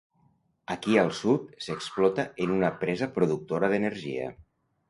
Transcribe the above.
Aquí al sud, s'explota en una presa productora d'energia.